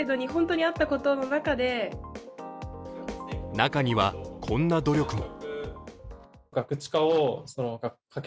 中には、こんな努力も。